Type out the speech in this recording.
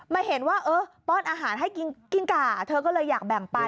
เห็นว่าเออป้อนอาหารให้กิ้งก่าเธอก็เลยอยากแบ่งไป